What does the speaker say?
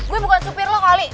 gue bukan supir lo kali